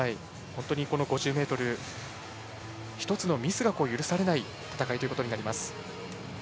この５０ｍ１つのミスも許されない戦いということになります。